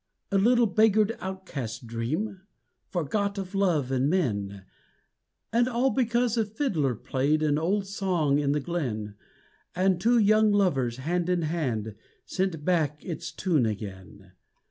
A little beggared outcast dream Forgot of Love and men, And all because a fiddler played An old song in the glen, And two Young Lovers hand in hand, Sent back its tune again.